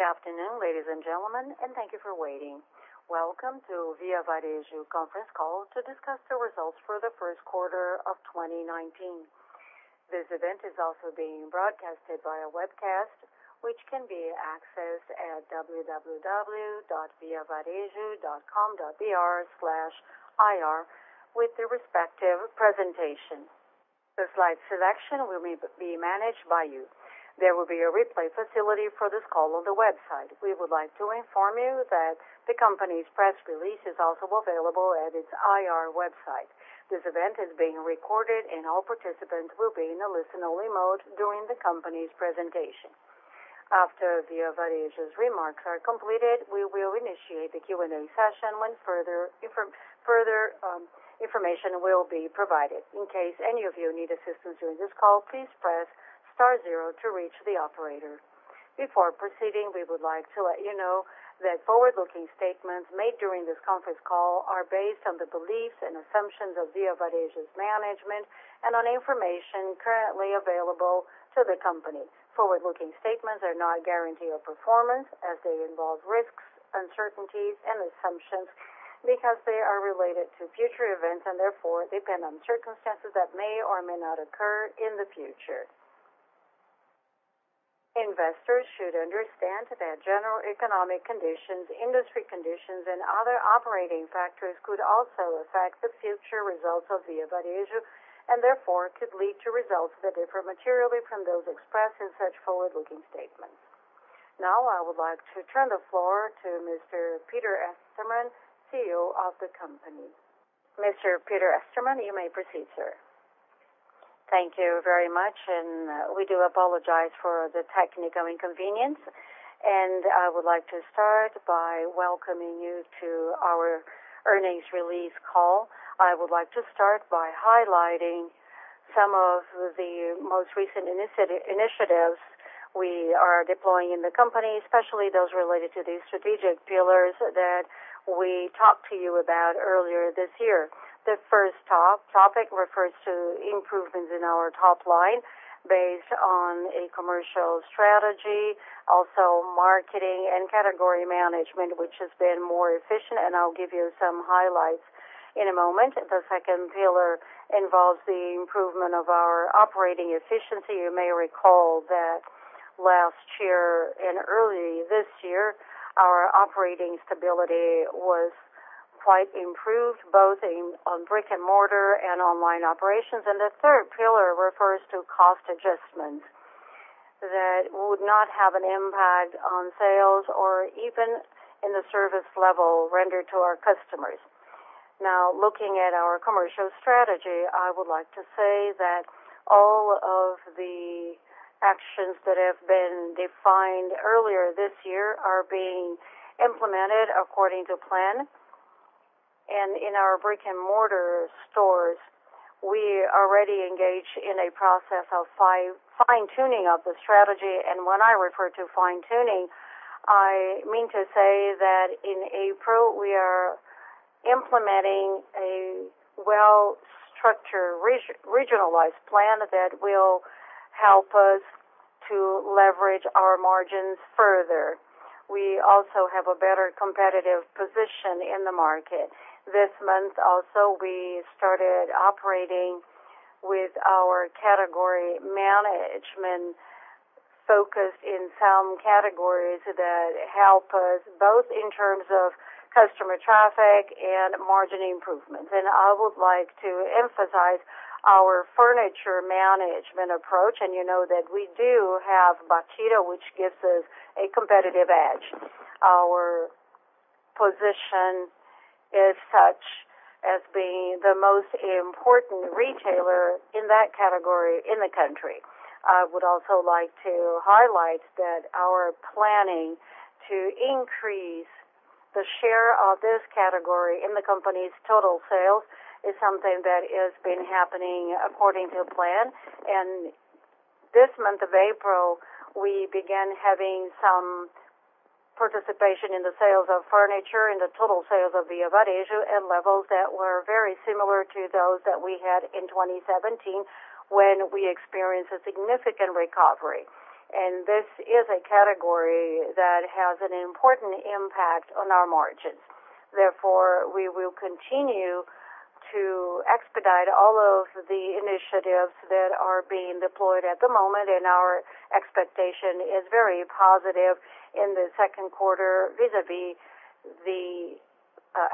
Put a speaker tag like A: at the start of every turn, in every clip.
A: Good afternoon, ladies and gentlemen, and thank you for waiting. Welcome to Via Varejo conference call to discuss the results for the first quarter of 2019. This event is also being broadcasted by a webcast, which can be accessed at www.viavarejo.com.br/ir with the respective presentation. The slide selection will be managed by you. There will be a replay facility for this call on the website. We would like to inform you that the company's press release is also available at its IR website. This event is being recorded, and all participants will be in a listen-only mode during the company's presentation. After Via Varejo's remarks are completed, we will initiate the Q&A session when further information will be provided. In case any of you need assistance during this call, please press star zero to reach the operator. Before proceeding, we would like to let you know that forward-looking statements made during this conference call are based on the beliefs and assumptions of Via Varejo's management and on information currently available to the company. Forward-looking statements are not a guarantee of performance, as they involve risks, uncertainties, and assumptions because they are related to future events and therefore depend on circumstances that may or may not occur in the future. Investors should understand that general economic conditions, industry conditions, and other operating factors could also affect the future results of Via Varejo and therefore could lead to results that differ materially from those expressed in such forward-looking statements. Now I would like to turn the floor to Mr. Peter Estermann, CEO of the company. Mr. Peter Estermann, you may proceed, sir.
B: Thank you very much, and we do apologize for the technical inconvenience. I would like to start by welcoming you to our earnings release call. I would like to start by highlighting some of the most recent initiatives we are deploying in the company, especially those related to the strategic pillars that we talked to you about earlier this year. The first topic refers to improvements in our top line based on a commercial strategy, also marketing and category management, which has been more efficient, and I'll give you some highlights in a moment. The second pillar involves the improvement of our operating efficiency. You may recall that last year and early this year, our operating stability was quite improved, both in brick-and-mortar and online operations. The third pillar refers to cost adjustments that would not have an impact on sales or even in the service level rendered to our customers. Now, looking at our commercial strategy, I would like to say that all of the actions that have been defined earlier this year are being implemented according to plan. In our brick-and-mortar stores, we already engage in a process of fine-tuning of the strategy. When I refer to fine-tuning, I mean to say that in April, we are implementing a well-structured regionalized plan that will help us to leverage our margins further. We also have a better competitive position in the market. This month also, we started operating with our category management focus in some categories that help us both in terms of customer traffic and margin improvements. I would like to emphasize our furniture management approach, and you know that we do have Bartira, which gives us a competitive edge. Our position is such as being the most important retailer in that category in the country. I would also like to highlight that our planning to increase the share of this category in the company's total sales is something that has been happening according to plan. This month of April, we began having some participation in the sales of furniture in the total sales of Via Varejo at levels that were very similar to those that we had in 2017 when we experienced a significant recovery. This is a category that has an important impact on our margins. Therefore, we will continue to expedite all of the initiatives that are being deployed at the moment, and our expectation is very positive in the second quarter vis-à-vis the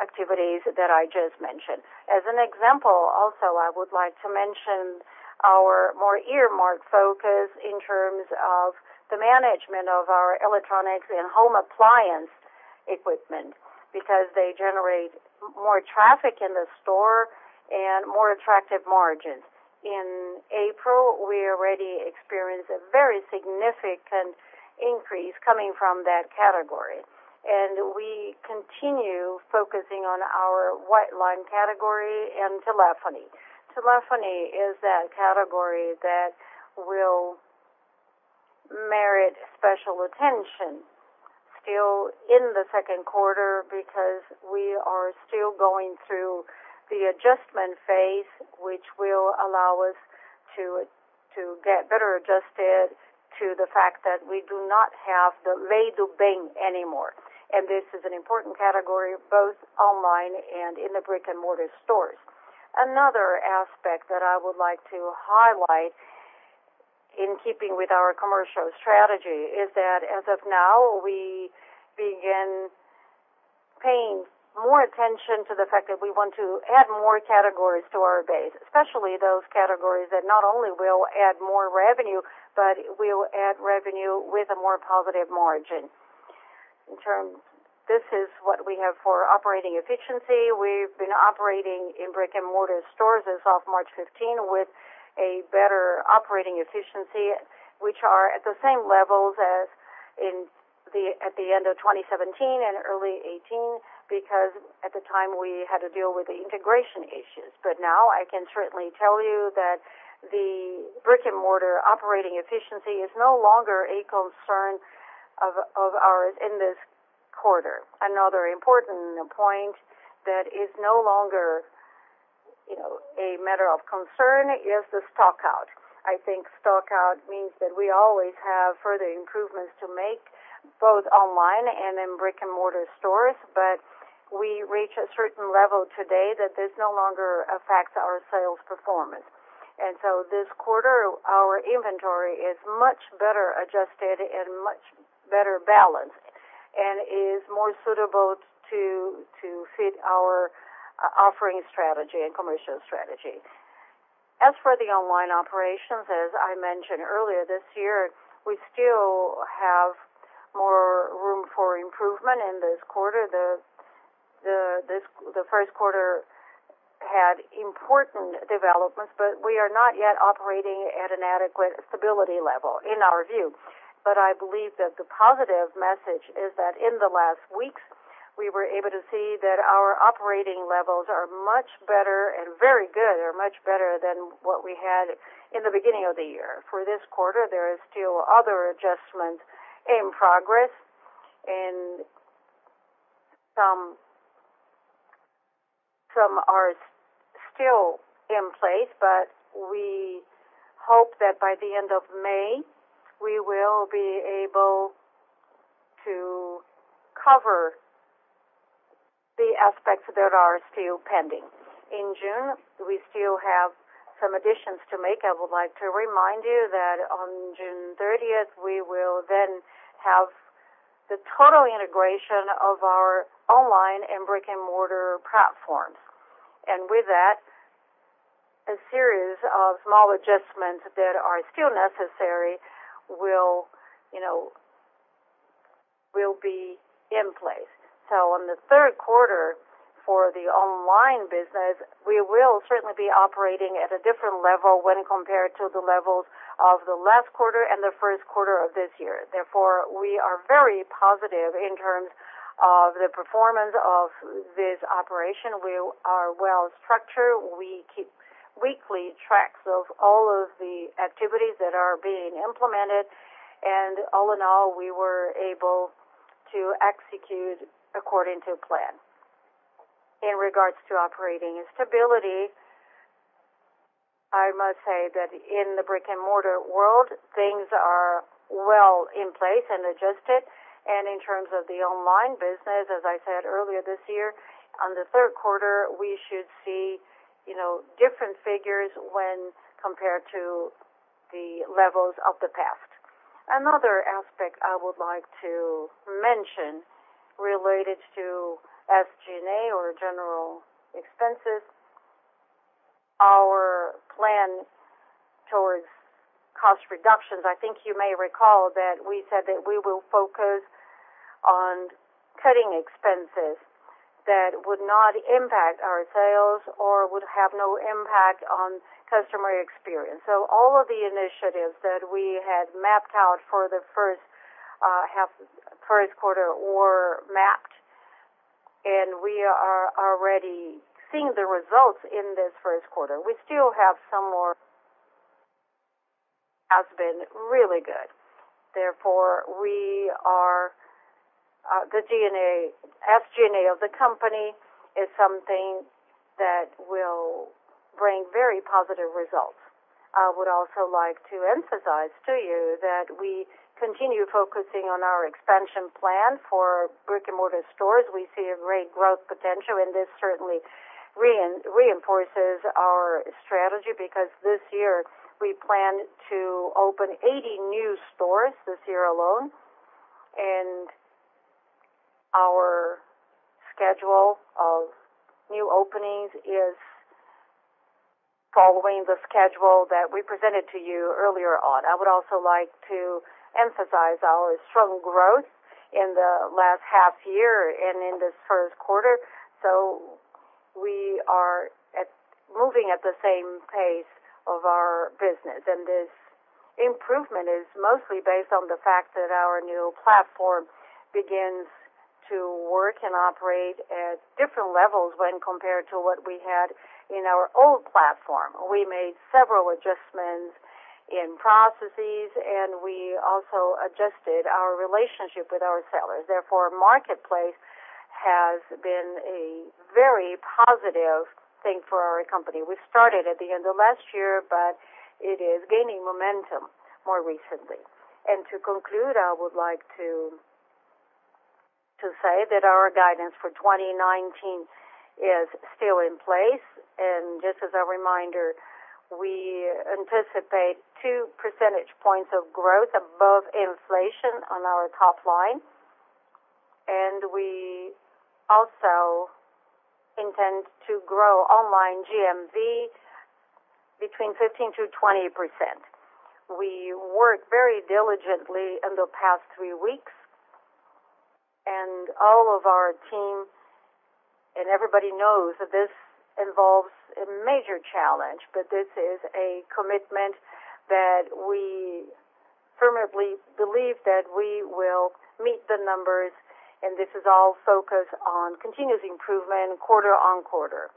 B: activities that I just mentioned. As an example also, I would like to mention our more earmarked focus in terms of the management of our electronics and home appliance equipment, because they generate more traffic in the store and more attractive margins. In April, we already experienced a very significant increase coming from that category, and we continue focusing on our white line category and telephony. Telephony is that category that will merit special attention still in the second quarter, because we are still going through the adjustment phase, which will allow us to get better adjusted to the fact that we do not have the Lei do Bem anymore. This is an important category, both online and in the brick-and-mortar stores. Another aspect that I would like to highlight in keeping with our commercial strategy is that as of now, we begin paying more attention to the fact that we want to add more categories to our base, especially those categories that not only will add more revenue, but will add revenue with a more positive margin. This is what we have for operating efficiency. We've been operating in brick-and-mortar stores as of March 15 with a better operating efficiency, which are at the same levels as at the end of 2017 and early 2018, because at the time, we had to deal with the integration issues. Now I can certainly tell you that the brick-and-mortar operating efficiency is no longer a concern of ours in this quarter. Another important point that is no longer a matter of concern is the stock out. I think stock out means that we always have further improvements to make, both online and in brick-and-mortar stores. We reach a certain level today that this no longer affects our sales performance. This quarter, our inventory is much better adjusted and much better balanced, and is more suitable to fit our offering strategy and commercial strategy. As for the online operations, as I mentioned earlier, this year, we still have more room for improvement in this quarter. The first quarter had important developments, we are not yet operating at an adequate stability level in our view. I believe that the positive message is that in the last weeks, we were able to see that our operating levels are much better and very good. They're much better than what we had in the beginning of the year. For this quarter, there are still other adjustments in progress, and some are still in place. We hope that by the end of May, we will be able to cover the aspects that are still pending. In June, we still have some additions to make. I would like to remind you that on June 30th, we will have the total integration of our online and brick-and-mortar platforms. With that, a series of small adjustments that are still necessary will be in place. On the third quarter for the online business, we will certainly be operating at a different level when compared to the levels of the last quarter and the first quarter of this year. We are very positive in terms of the performance of this operation. We are well-structured. We keep weekly tracks of all of the activities that are being implemented, all in all, we were able to execute according to plan. In regards to operating stability, I must say that in the brick-and-mortar world, things are well in place and adjusted. In terms of the online business, as I said earlier this year, on the third quarter, we should see different figures when compared to the levels of the past. Another aspect I would like to mention related to SG&A or general expenses, our plan towards cost reductions. I think you may recall that we said that we will focus on cutting expenses that would not impact our sales or would have no impact on customer experience. All of the initiatives that we had mapped out for the first quarter were mapped, and we are already seeing the results in this first quarter. Has been really good. The SG&A of the company is something that will bring very positive results. I would also like to emphasize to you that we continue focusing on our expansion plan for brick-and-mortar stores. We see a great growth potential, and this certainly reinforces our strategy because this year we plan to open 80 new stores this year alone. Our schedule of new openings is following the schedule that we presented to you earlier on. I would also like to emphasize our strong growth in the last half year and in this first quarter. We are moving at the same pace of our business, and this improvement is mostly based on the fact that our new platform begins to work and operate at different levels when compared to what we had in our old platform. We made several adjustments in processes, we also adjusted our relationship with our sellers. Marketplace has been a very positive thing for our company. We started at the end of last year, but it is gaining momentum more recently. To conclude, I would like to say that our guidance for 2019 is still in place. Just as a reminder, we anticipate two percentage points of growth above inflation on our top line, we also intend to grow online GMV between 15%-20%. We worked very diligently in the past three weeks, all of our teams and everybody knows that this involves a major challenge, this is a commitment that we firmly believe that we will meet the numbers, and this is all focused on continuous improvement quarter-on-quarter.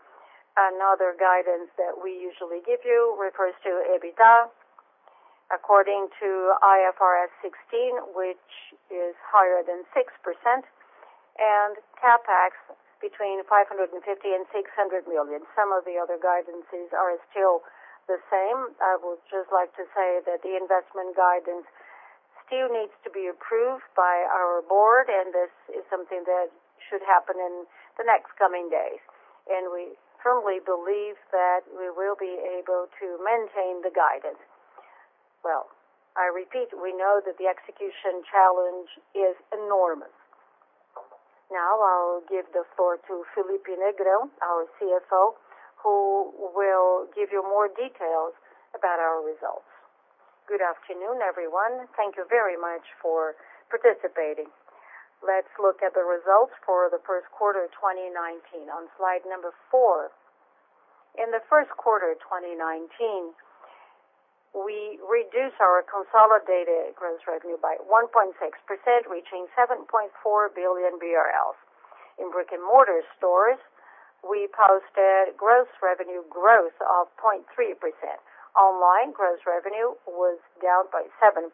C: Another guidance that we usually give you refers to EBITDA according to IFRS 16, which is higher than 6%, and CapEx between 550 million and 600 million. Some of the other guidances are still the same. I would just like to say that the investment guidance still needs to be approved by our board, and this is something that should happen in the next coming days. We firmly believe that we will be able to maintain the guidance. I repeat, we know that the execution challenge is enormous. I will give the floor to Felipe Negrão, our CFO, who will give you more details about our results. Good afternoon, everyone. Thank you very much for participating. Let us look at the results for the first quarter 2019. On slide number four. In the first quarter 2019, we reduced our consolidated gross revenue by 1.6%, reaching 7.4 billion BRL. In brick-and-mortar stores, we posted gross revenue growth of 0.3%. Online gross revenue was down by 7%.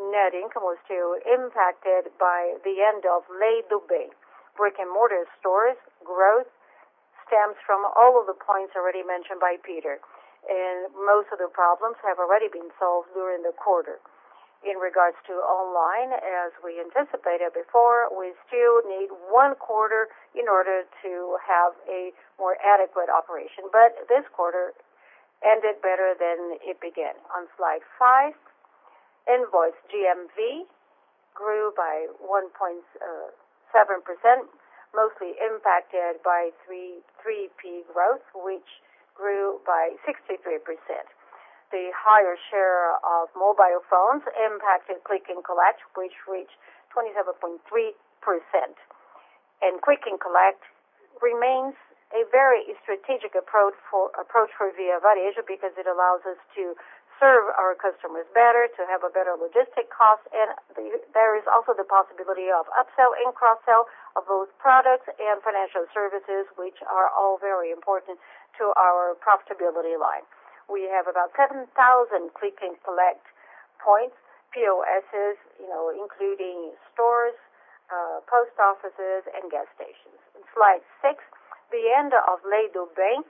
C: Net income was still impacted by the end of Lei do Bem. Brick-and-mortar stores growth stems from all of the points already mentioned by Peter, and most of the problems have already been solved during the quarter. In regards to online, as we anticipated before, we still need one quarter in order to have a more adequate operation. This quarter ended better than it began. On slide five, invoice GMV grew by 1.7%, mostly impacted by 3P growth, which grew by 63%. The higher share of mobile phones impacted click and collect, which reached 27.3%. Click and collect remains a very strategic approach for Via Varejo, because it allows us to serve our customers better, to have a better logistic cost, and there is also the possibility of upsell and cross-sell of both products and financial services, which are all very important to our profitability line. We have about 7,000 click and collect points, POSs, including stores, post offices, and gas stations. On slide six, the end of Lei do Bem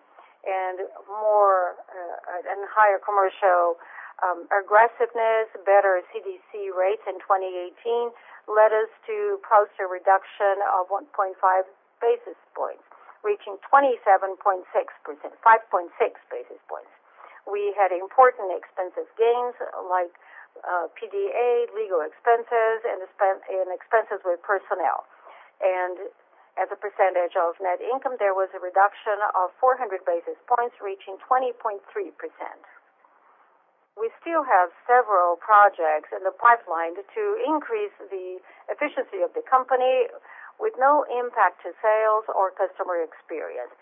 C: and higher commercial aggressiveness, better CDC rates in 2018 led us to post a reduction of 1.5 basis points, reaching 27.6%, 5.6 basis points. We had important expensive gains like PDA, legal expenses, and expenses with personnel. As a percentage of net income, there was a reduction of 400 basis points, reaching 20.3%. We still have several projects in the pipeline to increase the efficiency of the company with no impact to sales or customer experience.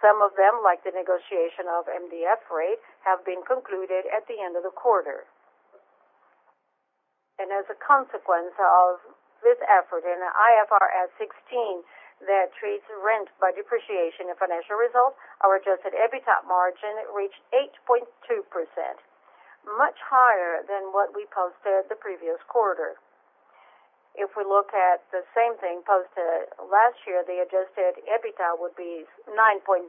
C: Some of them, like the negotiation of MDF rates, have been concluded at the end of the quarter. As a consequence of this effort and IFRS 16 that treats rent by depreciation of financial results, our adjusted EBITDA margin reached 8.2%, much higher than what we posted the previous quarter. If we look at the same thing posted last year, the adjusted EBITDA would be 9.7%,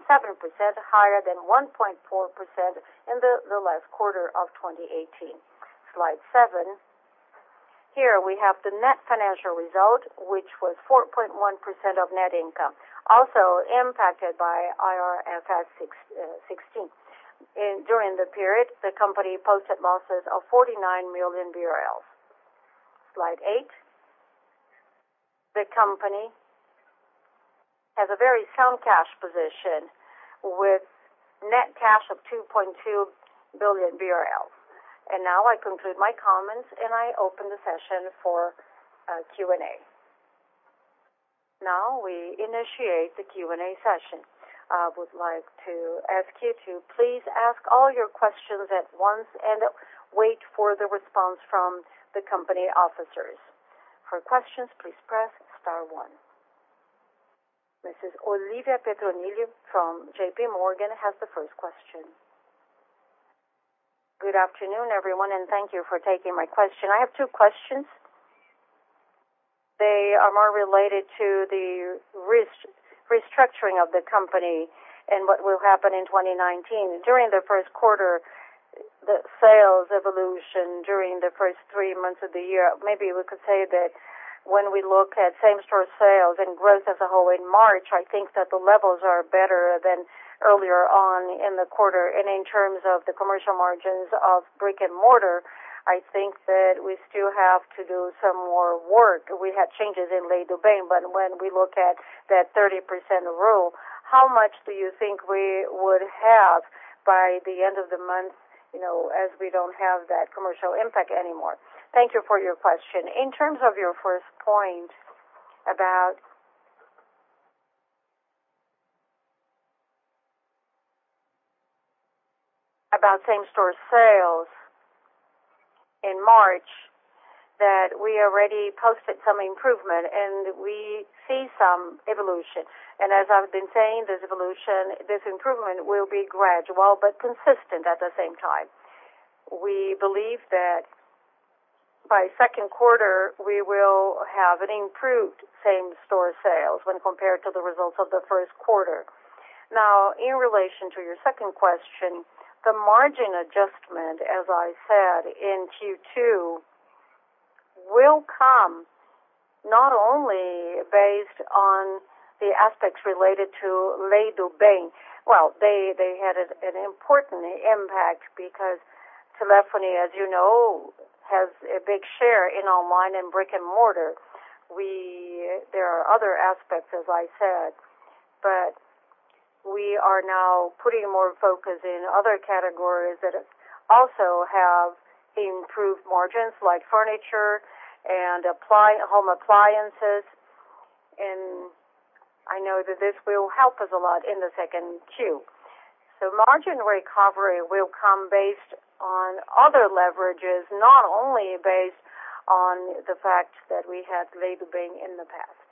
C: higher than 1.4% in the last quarter of 2018. Slide seven. Here we have the net financial result, which was 4.1% of net income, also impacted by IFRS 16. During the period, the company posted losses of 49 million BRL. Slide eight. The company has a very sound cash position with net cash of 2.2 billion BRL.
A: I conclude my comments, and I open the session for Q&A. We initiate the Q&A session. I would like to ask you to please ask all your questions at once and wait for the response from the company officers. Mrs. Olivia Petronilho from JPMorgan has the first question.
D: Good afternoon, everyone, and thank you for taking my question. I have two questions. They are more related to the restructuring of the company and what will happen in 2019. During the first quarter, the sales evolution during the first three months of the year, maybe we could say that when we look at same-store sales and growth as a whole in March, I think that the levels are better than earlier on in the quarter. In terms of the commercial margins of brick and mortar, I think that we still have to do some more work. We had changes in Lei do Bem, but when we look at that 30% rule, how much do you think we would have by the end of the month, as we don't have that commercial impact anymore?
B: Thank you for your question. In terms of your first point about same-store sales in March, that we already posted some improvement, and we see some evolution. As I've been saying, this evolution, this improvement will be gradual but consistent at the same time. We believe that by second quarter, we will have an improved same-store sales when compared to the results of the first quarter. In relation to your second question, the margin adjustment, as I said, in Q2, will come not only based on the aspects related to Lei do Bem. Well, they had an important impact because telephony, as you know, has a big share in online and brick and mortar. There are other aspects, as I said, but we are now putting more focus in other categories that also have improved margins, like furniture and home appliances. I know that this will help us a lot in the second Q. Margin recovery will come based on other leverages, not only based on the fact that we had Lei do Bem in the past.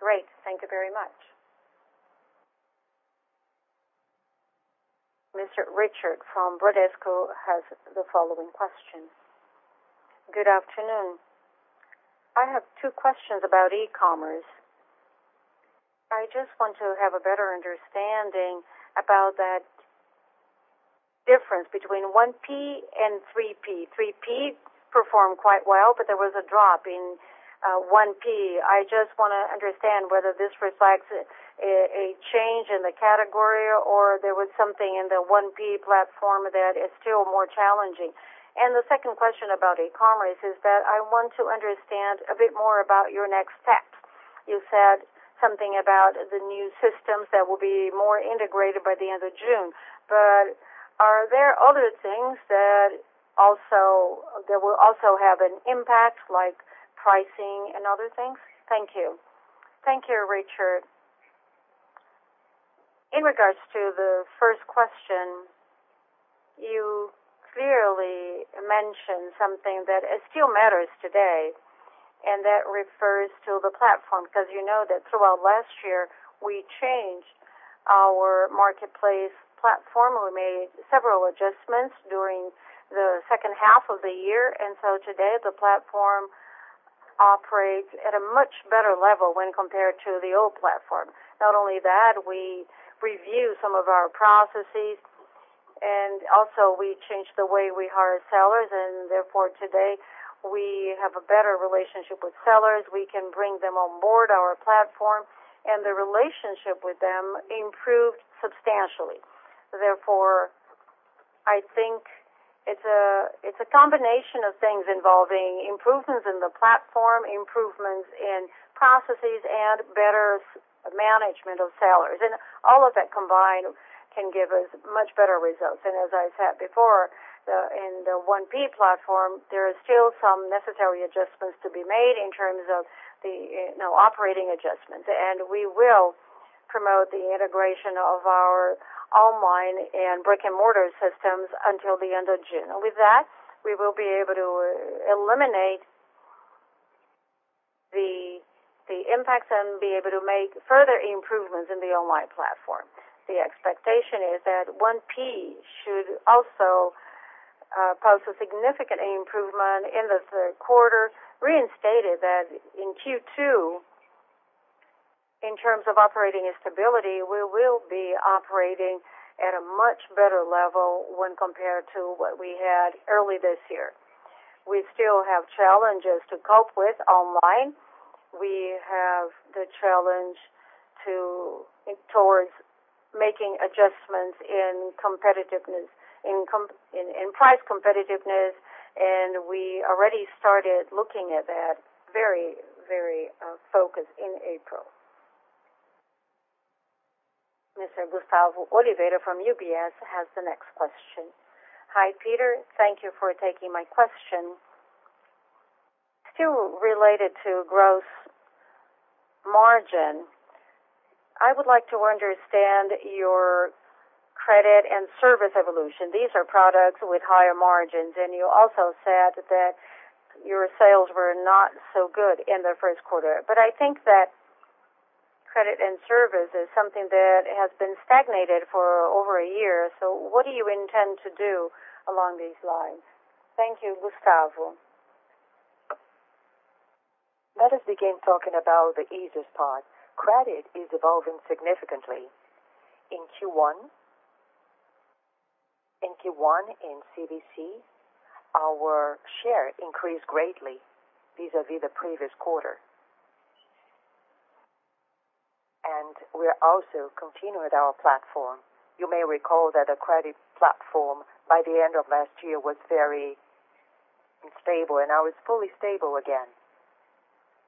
D: Great. Thank you very much.
A: Mr. Richard from Bradesco has the following question.
E: Good afternoon. I have two questions about e-commerce. I just want to have a better understanding about that difference between 1P and 3P. 3P performed quite well, but there was a drop in 1P. I just want to understand whether this reflects a change in the category, or there was something in the 1P platform that is still more challenging. The second question about e-commerce is that I want to understand a bit more about your next steps. You said something about the new systems that will be more integrated by the end of June. Are there other things that will also have an impact, like pricing and other things? Thank you.
B: Thank you, Richard. In regards to the first question, you clearly mentioned something that still matters today, and that refers to the platform, because you know that throughout last year, we changed our Marketplace platform. We made several adjustments during the second half of the year. Today, the platform operates at a much better level when compared to the old platform. Not only that, also, we changed the way we hire sellers. Therefore, today we have a better relationship with sellers. We can bring them on board our platform. The relationship with them improved substantially. I think it's a combination of things involving improvements in the platform, improvements in processes, and better management of sellers. All of that combined can give us much better results. As I said before, in the 1P platform, there are still some necessary adjustments to be made in terms of the operating adjustments. We will promote the integration of our online and brick-and-mortar systems until the end of June. With that, we will be able to eliminate the impacts and be able to make further improvements in the online platform. The expectation is that 1P should also post a significant improvement in the third quarter, reinstated that in Q2. In terms of operating stability, we will be operating at a much better level when compared to what we had early this year. We still have challenges to cope with online. We have the challenge towards making adjustments in price competitiveness. We already started looking at that very focused in April.
A: Mr. Gustavo Oliveira from UBS has the next question.
F: Hi, Peter. Thank you for taking my question. Still related to gross margin, I would like to understand your credit and service evolution. These are products with higher margins. You also said that your sales were not so good in the first quarter. I think that credit and service is something that has been stagnated for over a year. What do you intend to do along these lines?
C: Thank you, Gustavo. Let us begin talking about the easiest part. Credit is evolving significantly. In Q1, in CDC, our share increased greatly vis-à-vis the previous quarter. We're also continuing with our platform. You may recall that the credit platform by the end of last year was very unstable, and now it's fully stable again.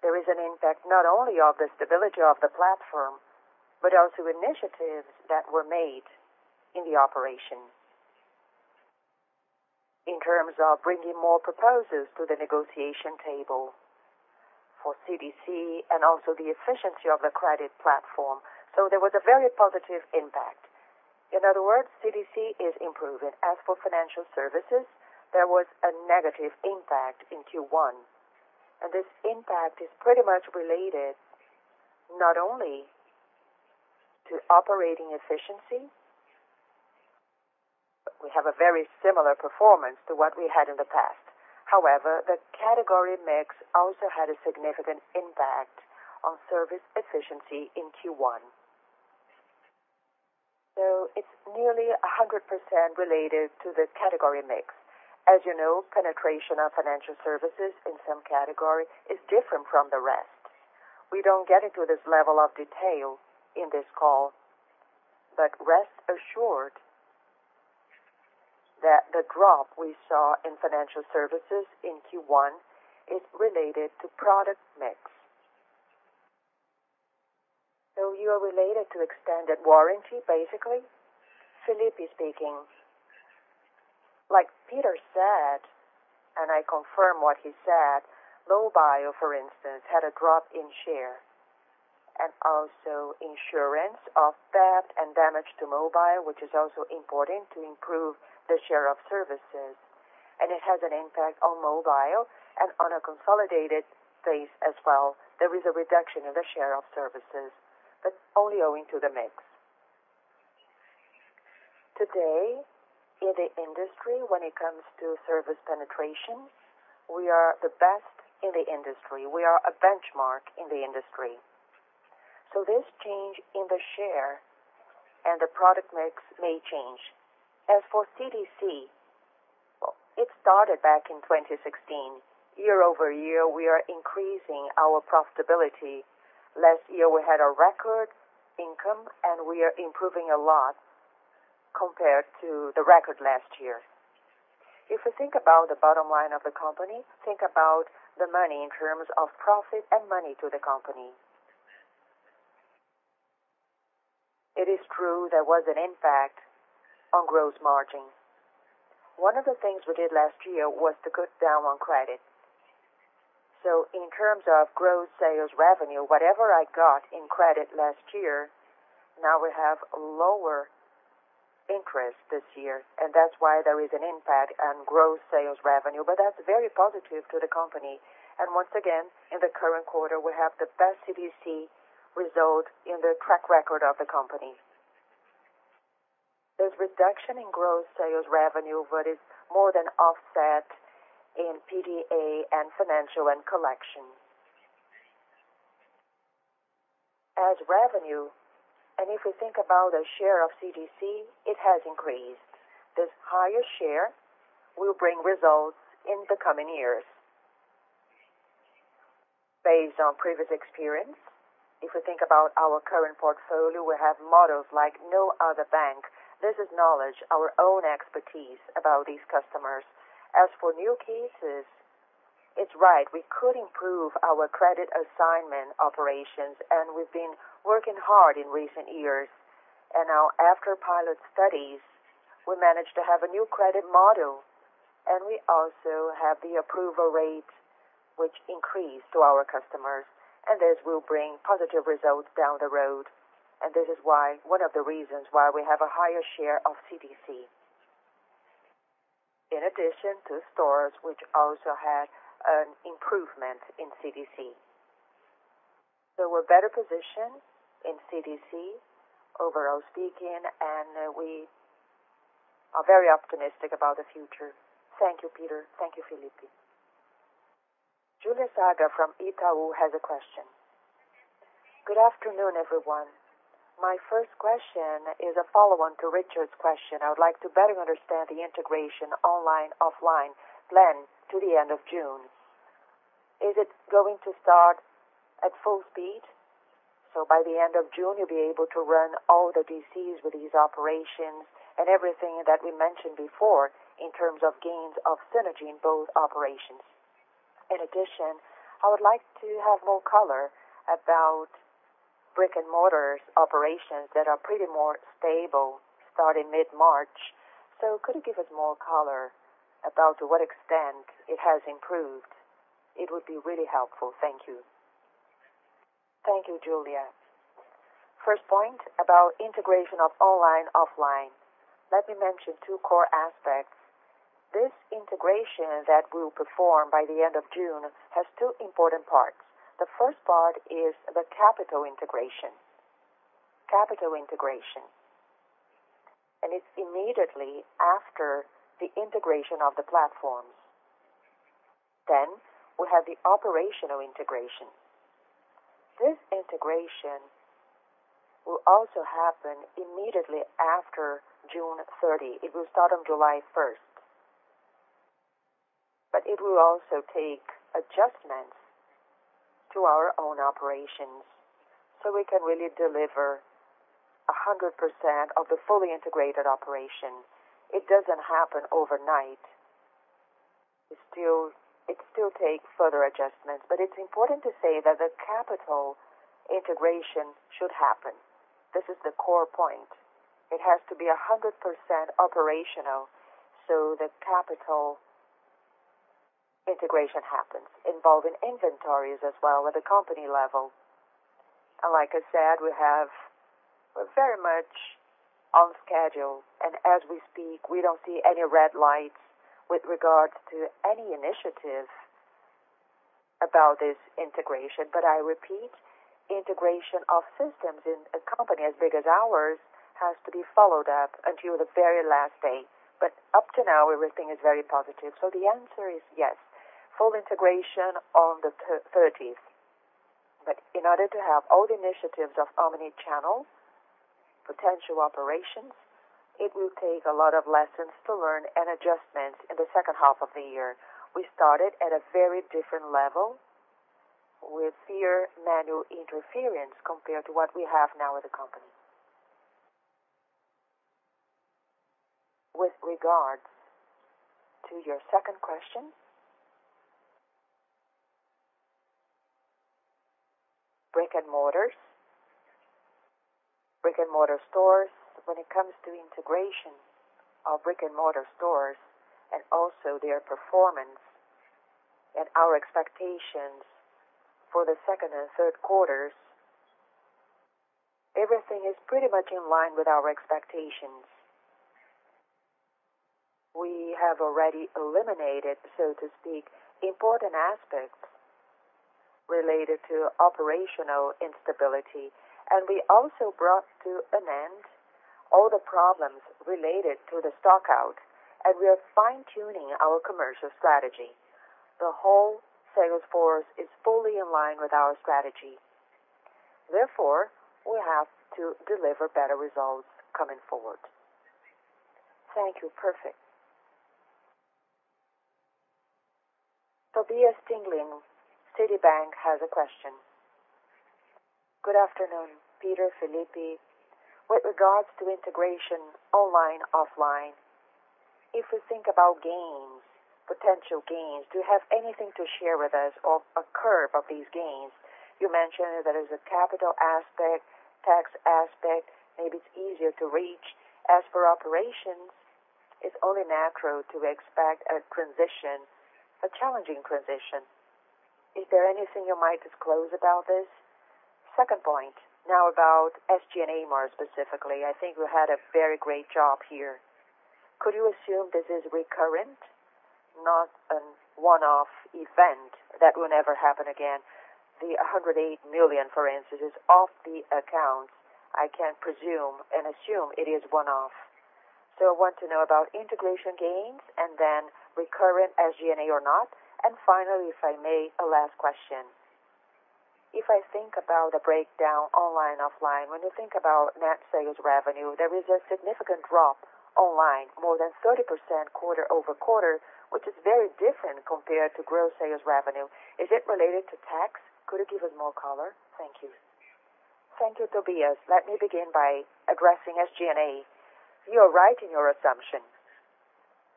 C: There is an impact not only of the stability of the platform, but also initiatives that were made in the operation in terms of bringing more proposals to the negotiation table for CDC and also the efficiency of the credit platform. There was a very positive impact. In other words, CDC is improving. As for financial services, there was a negative impact in Q1. This impact is pretty much related not only to operating efficiency. We have a very similar performance to what we had in the past. However, the category mix also had a significant impact on service efficiency in Q1. It's nearly 100% related to the category mix. As you know, penetration of financial services in some category is different from the rest. We don't get into this level of detail in this call, but rest assured that the drop we saw in financial services in Q1 is related to product mix.
F: You are related to extended warranty, basically?
C: Felipe speaking. Like Peter said, I confirm what he said, mobile, for instance, had a drop in share. Also insurance of theft and damage to mobile, which is also important to improve the share of services. It has an impact on mobile and on a consolidated base as well. There is a reduction in the share of services, but only owing to the mix. Today, in the industry, when it comes to service penetration, we are the best in the industry. We are a benchmark in the industry. This change in the share and the product mix may change. As for CDC, it started back in 2016. Year-over-year, we are increasing our profitability. Last year, we had a record income, and we are improving a lot compared to the record last year. If we think about the bottom line of the company, think about the money in terms of profit and money to the company. It is true there was an impact on gross margin. One of the things we did last year was to cut down on credit. In terms of gross sales revenue, whatever I got in credit last year, now we have lower interest this year, and that's why there is an impact on gross sales revenue. That's very positive to the company. Once again, in the current quarter, we have the best CDC result in the track record of the company. This reduction in gross sales revenue, but is more than offset in PDA and financial and collection. As revenue, if we think about the share of CDC, it has increased. This higher share will bring results in the coming years. Based on previous experience, if we think about our current portfolio, we have models like no other bank. This is knowledge, our own expertise about these customers. As for new cases, it's right. We could improve our credit assignment operations, and we've been working hard in recent years. Now after pilot studies, we managed to have a new credit model, and we also have the approval rates, which increased to our customers. This will bring positive results down the road. This is one of the reasons why we have a higher share of CDC. In addition to stores, which also had an improvement in CDC. We're better positioned in CDC, overall speaking, and we are very optimistic about the future.
A: Thank you, Peter. Thank you, Felipe. Julia Zaga from Itaú has a question.
G: Good afternoon, everyone. My first question is a follow-on to Richard's question. I would like to better understand the integration online/offline plan to the end of June. Is it going to start at full speed? By the end of June, you'll be able to run all the DCs with these operations and everything that we mentioned before in terms of gains of synergy in both operations. In addition, I would like to have more color about brick-and-mortar operations that are pretty more stable starting mid-March. Could you give us more color about to what extent it has improved? It would be really helpful. Thank you.
C: Thank you, Julia. First point about integration of online, offline. Let me mention two core aspects. This integration that we will perform by the end of June has two important parts. The first part is the capital integration. It's immediately after the integration of the platforms. We have the operational integration. This integration will also happen immediately after June 30. It will start on July 1st. It will also take adjustments to our own operations so we can really deliver 100% of the fully integrated operation. It doesn't happen overnight. It still takes further adjustments. It's important to say that the capital integration should happen. This is the core point. It has to be 100% operational so the capital integration happens, involving inventories as well at the company level. Like I said, we're very much on schedule. As we speak, we don't see any red lights with regards to any initiative about this integration. I repeat, integration of systems in a company as big as ours has to be followed up until the very last day. Up to now, everything is very positive. The answer is yes, full integration on the 30th. In order to have all the initiatives of omnichannel potential operations, it will take a lot of lessons to learn and adjustments in the second half of the year. We started at a very different level with fewer manual interference compared to what we have now with the company. With regards to your second question, brick-and-mortar stores. When it comes to integration of brick-and-mortar stores and also their performance and our expectations for the second and third quarters, everything is pretty much in line with our expectations. We have already eliminated, so to speak, important aspects related to operational instability. We also brought to an end all the problems related to the stock out, and we are fine-tuning our commercial strategy. The whole sales force is fully in line with our strategy. Therefore, we have to deliver better results coming forward.
G: Thank you. Perfect.
A: Tobias Stingelin, Citibank has a question.
H: Good afternoon, Peter, Felipe. With regards to integration online, offline, if we think about potential gains, do you have anything to share with us of a curve of these gains? You mentioned that there's a capital aspect, tax aspect, maybe it's easier to reach. As for operations, it's only natural to expect a challenging transition. Is there anything you might disclose about this? Second point, now about SG&A margin specifically. I think you had a very great job here. Could you assume this is recurrent, not a one-off event that will never happen again? The 108 million, for instance, is off the accounts. I can presume and assume it is one-off. I want to know about integration gains and then recurrent SG&A or not. Finally, if I may, a last question. If I think about the breakdown online, offline, when you think about net sales revenue, there is a significant drop online, more than 30% quarter-over-quarter, which is very different compared to gross sales revenue. Is it related to tax? Could you give us more color? Thank you.
B: Thank you, Tobias. Let me begin by addressing SG&A. You are right in your assumption.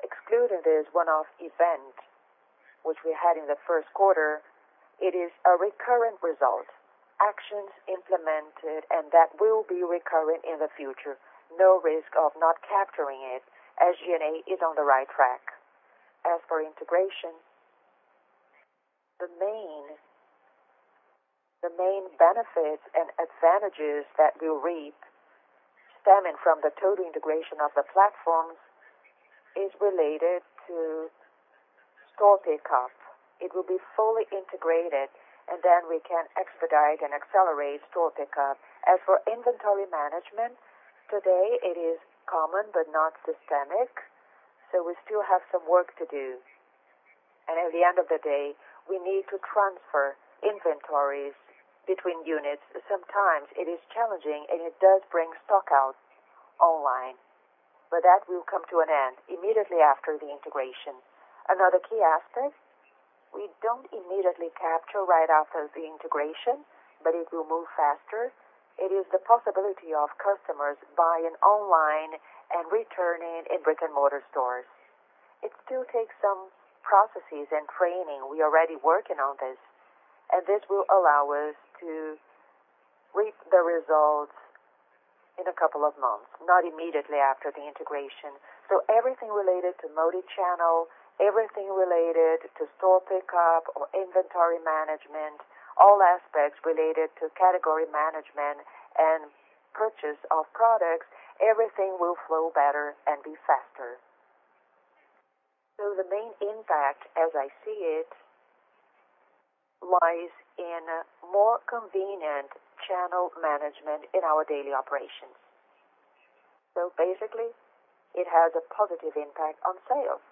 B: Excluding this one-off event, which we had in the first quarter, it is a recurrent result. Actions implemented and that will be recurring in the future. No risk of not capturing it. SG&A is on the right track. As for integration, the main benefits and advantages that we will reap stemming from the total integration of the platforms is related to store pickup. It will be fully integrated, then we can expedite and accelerate store pickup. As for inventory management, today it is common but not systemic, so we still have some work to do. At the end of the day, we need to transfer inventories between units. Sometimes it is challenging, and it does bring stock out online. That will come to an end immediately after the integration. Another key aspect we don't immediately capture right after the integration, but it will move faster. It is the possibility of customers buying online and returning in brick-and-mortar stores. It still takes some processes and training. We are already working on this, and this will allow us to reap the results in a couple of months, not immediately after the integration. Everything related to multi-channel, everything related to store pickup or inventory management, all aspects related to category management and purchase of products, everything will flow better and be faster. The main impact, as I see it, lies in more convenient channel management in our daily operations. Basically, it has a positive impact on sales,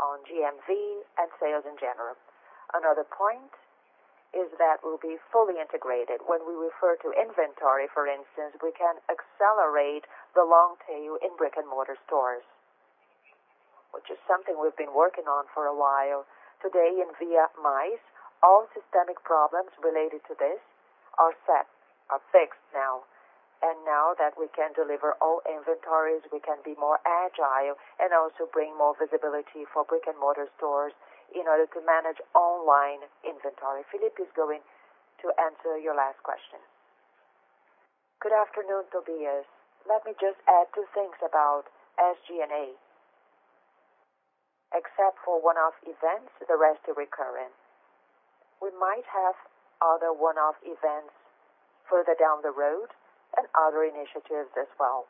B: on GMV, and sales in general. Another point is that we'll be fully integrated. When we refer to inventory, for instance, we can accelerate the long tail in brick-and-mortar stores, which is something we've been working on for a while. Today in Via Mais, all systemic problems related to this are set, are fixed now. Now that we can deliver all inventories, we can be more agile and also bring more visibility for brick-and-mortar stores in order to manage online inventory.
A: Felipe is going to answer your last question.
C: Good afternoon, Tobias. Let me just add two things about SG&A. Except for one-off events, the rest are recurring. We might have other one-off events further down the road and other initiatives as well.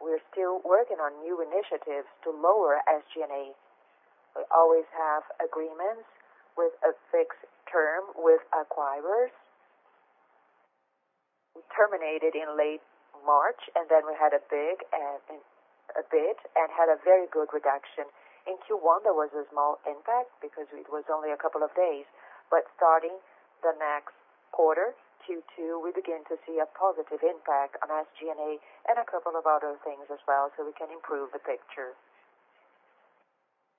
C: We're still working on new initiatives to lower SG&A. We always have agreements with a fixed term with acquirers. We terminated in late March, then we had a bid and had a very good reduction. In Q1, there was a small impact because it was only a couple of days. Starting the next quarter, Q2, we begin to see a positive impact on SG&A and a couple of other things as well, so we can improve the picture.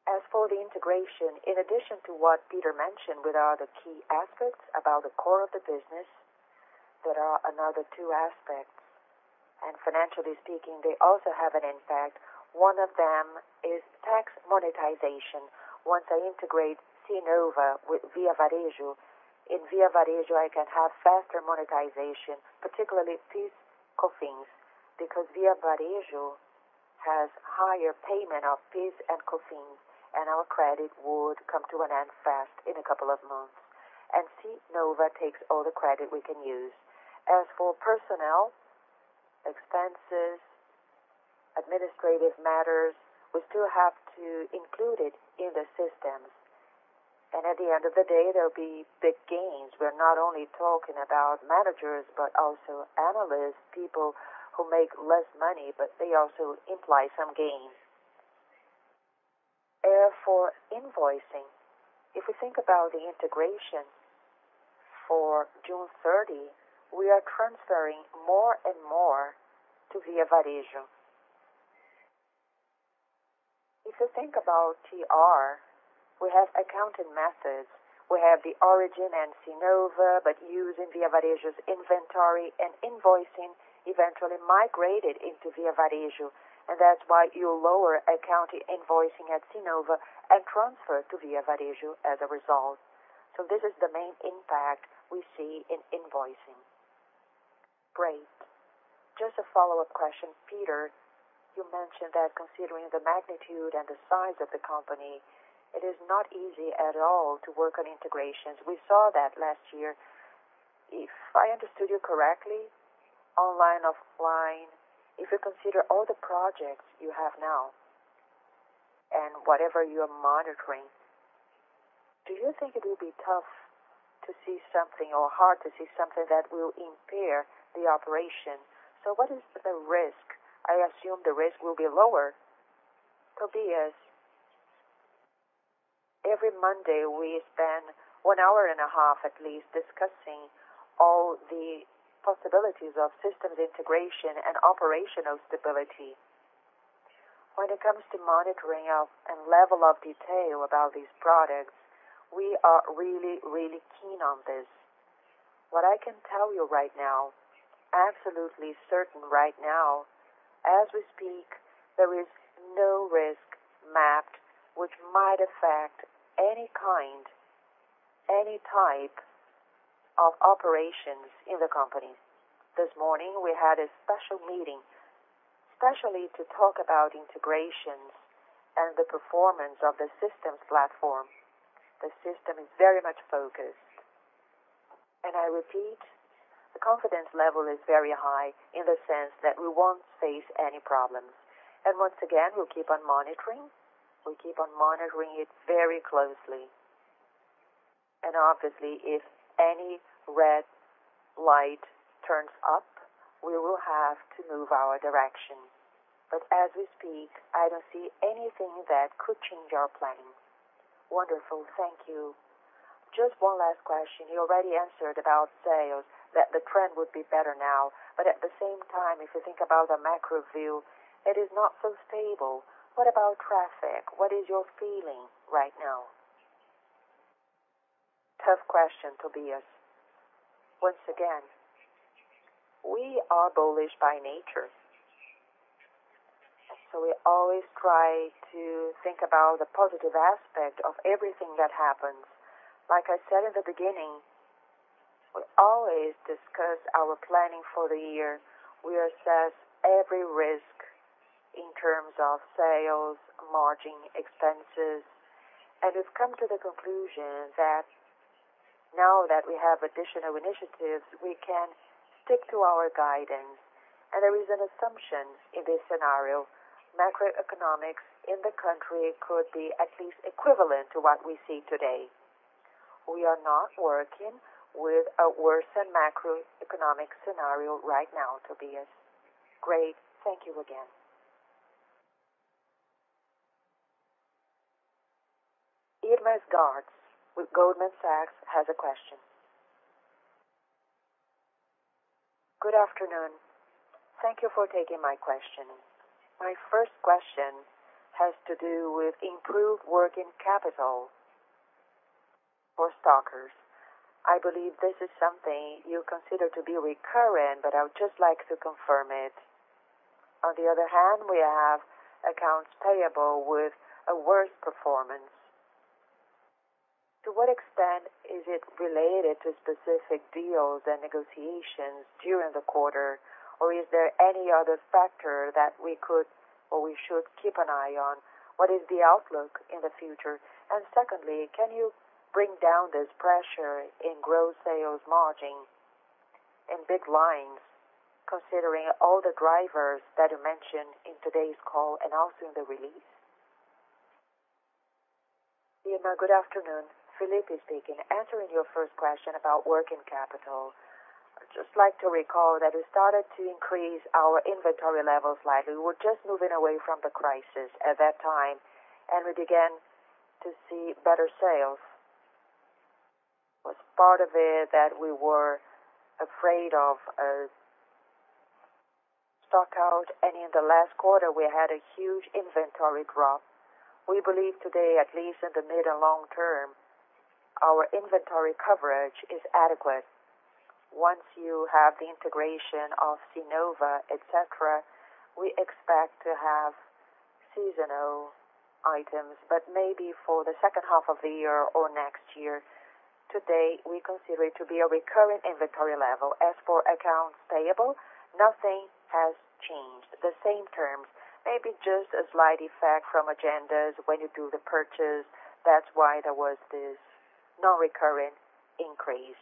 C: As for the integration, in addition to what Peter mentioned with all the key aspects about the core of the business, there are another two aspects, and financially speaking, they also have an impact. One of them is tax monetization. Once I integrate Cnova with Via Varejo, in Via Varejo, I can have faster monetization, particularly PIS/Cofins, because Via Varejo has higher payment of PIS and Cofins, and our credit would come to an end fast in a couple of months. Cnova takes all the credit we can use. As for personnel, expenses, administrative matters, we still have to include it in the systems. At the end of the day, there'll be big gains. We're not only talking about managers, but also analysts, people who make less money, but they also imply some gains. As for invoicing, if we think about the integration for June 30, we are transferring more and more to Via Varejo. If you think about TR, we have accounting methods. We have the origin and Cnova, but using Via Varejo's inventory and invoicing eventually migrated into Via Varejo, and that's why you lower accounting invoicing at Cnova and transfer to Via Varejo as a result. This is the main impact we see in invoicing.
H: Great. Just a follow-up question. Peter, you mentioned that considering the magnitude and the size of the company, it is not easy at all to work on integrations. We saw that last year. If I understood you correctly, online, offline, if you consider all the projects you have now and whatever you are monitoring, do you think it will be tough to see something or hard to see something that will impair the operation?
C: What is the risk? I assume the risk will be lower. Tobias, every Monday, we spend one hour and a half at least discussing all the possibilities of systems integration and operational stability. When it comes to monitoring and level of detail about these products, we are really, really keen on this. What I can tell you right now, absolutely certain right now, as we speak, there is no risk mapped which might affect any kind, any type of operations in the company. This morning, we had a special meeting, specially to talk about integrations and the performance of the systems platform. The system is very much focused. I repeat, the confidence level is very high in the sense that we won't face any problems. Once again, we'll keep on monitoring. We keep on monitoring it very closely. Obviously, if any red light turns up, we will have to move our direction. As we speak, I don't see anything that could change our planning.
H: Wonderful. Thank you. Just one last question. You already answered about sales, that the trend would be better now. At the same time, if you think about the macro view, it is not so stable. What about traffic? What is your feeling right now?
C: Tough question, Tobias. Once again, we are bullish by nature. We always try to think about the positive aspect of everything that happens. Like I said in the beginning, we always discuss our planning for the year. We assess every risk in terms of sales, margin, expenses, and we've come to the conclusion that now that we have additional initiatives, we can stick to our guidance. There is an assumption in this scenario, macroeconomics in the country could be at least equivalent to what we see today. We are not working with a worsened macroeconomic scenario right now, Tobias.
H: Great. Thank you again.
A: Irma Sgarz with Goldman Sachs has a question.
I: Good afternoon. Thank you for taking my question. My first question has to do with improved working capital for stockers. I believe this is something you consider to be recurring, but I would just like to confirm it. On the other hand, we have accounts payable with a worse performance. To what extent is it related to specific deals and negotiations during the quarter, or is there any other factor that we could or we should keep an eye on? What is the outlook in the future? Secondly, can you bring down this pressure in gross sales margin in big lines, considering all the drivers that you mentioned in today's call and also in the release?
C: Irma, good afternoon. Felipe Negrão speaking. Answering your first question about working capital. I'd just like to recall that we started to increase our inventory levels slightly. We were just moving away from the crisis at that time, and we began to see better sales. Was part of it that we were afraid of a stock-out, and in the last quarter, we had a huge inventory drop. We believe today, at least in the mid and long term, our inventory coverage is adequate. Once you have the integration of Cnova, et cetera, we expect to have seasonal items, but maybe for the second half of the year or next year. Today, we consider it to be a recurring inventory level. As for accounts payable, nothing has changed. The same terms. Maybe just a slight effect from agendas when you do the purchase. That's why there was this non-recurring increase.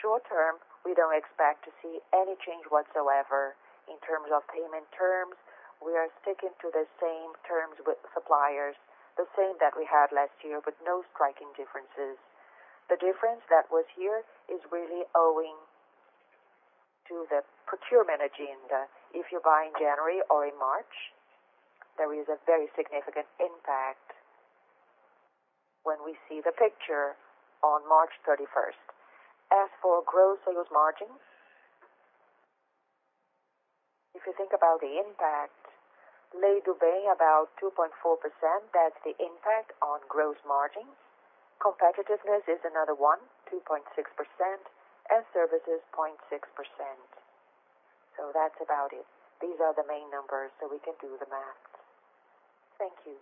C: Short-term, we don't expect to see any change whatsoever in terms of payment terms. We are sticking to the same terms with suppliers, the same that we had last year with no striking differences. The difference that was here is really owing to the procurement agenda. If you buy in January or in March, there is a very significant impact when we see the picture on March 31st. As for gross sales margins, [if you think about the impact, [Lei do Bem, about 2.4%, that's the impact on gross margins. Competitiveness is another one, 2.6%, and services 0.6%]. That's about it. These are the main numbers. We can do the math.
I: Thank you.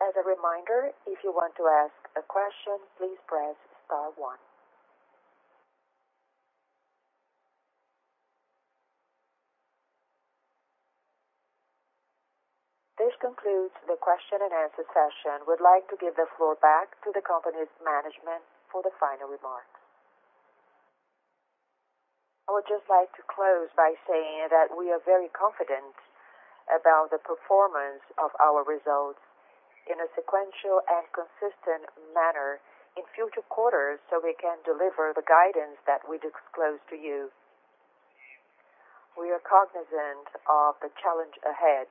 A: This concludes the question and answer session. We'd like to give the floor back to the company's management for the final remarks.
C: I would just like to close by saying that we are very confident about the performance of our results in a sequential and consistent manner in future quarters, so we can deliver the guidance that we disclosed to you. We are cognizant of the challenge ahead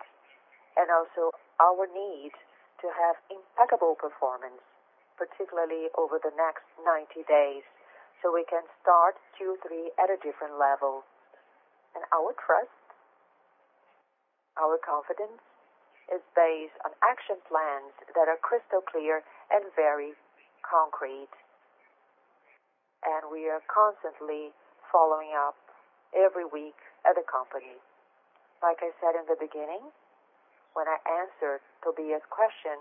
C: and also our need to have impeccable performance, particularly over the next 90 days, so we can start Q3 at a different level. Our trust, our confidence is based on action plans that are crystal clear and very concrete. We are constantly following up every week at the company. Like I said in the beginning, when I answered Tobias Stingelin's question,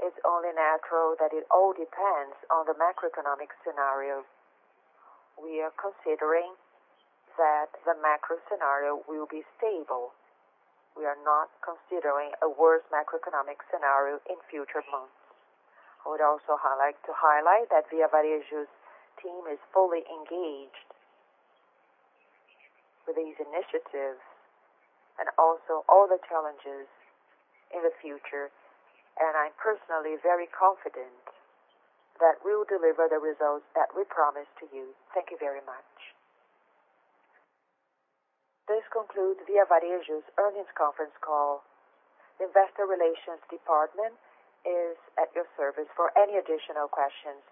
C: it's only natural that it all depends on the macroeconomic scenario. We are considering that the macro scenario will be stable. We are not considering a worse macroeconomic scenario in future months. I would also like to highlight that Via Varejo's team is fully engaged with these initiatives and also all the challenges in the future, and I'm personally very confident that we will deliver the results that we promised to you. Thank you very much. This concludes Via Varejo's earnings conference call. Investor relations department is at your service for any additional questions.